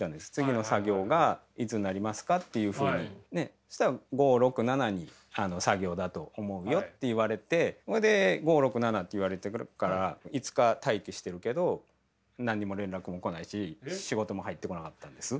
そしたら「５、６、７に作業だと思うよ」って言われてそれで５、６、７って言われてるから５日待機してるけど何にも連絡も来ないし仕事も入ってこなかったんです。